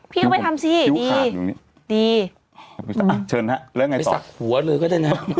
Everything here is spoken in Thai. พี่ก็ไปทำสิดีดีอ่ะเชิญครับแล้วไงต่อไปสักหัวเลยก็ได้นะ